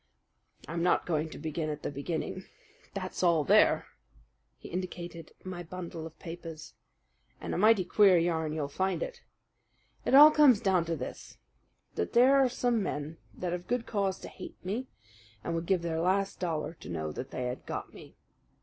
"I'm not going to begin at the beginning. That's all there," he indicated my bundle of papers, "and a mighty queer yarn you'll find it. It all comes down to this: That there are some men that have good cause to hate me and would give their last dollar to know that they had got me.